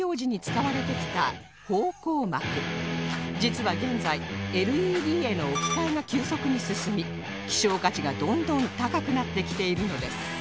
実は現在 ＬＥＤ への置き換えが急速に進み希少価値がどんどん高くなってきているのです